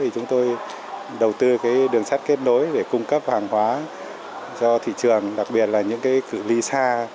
chúng tôi đầu tư đường sắt kết nối để cung cấp hàng hóa cho thị trường đặc biệt là những ly xa